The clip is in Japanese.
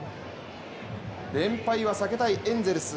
連敗は避けたいエンゼルス。